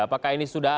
apakah ini sudah ada